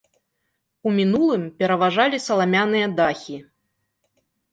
У мінулым пераважалі саламяныя дахі.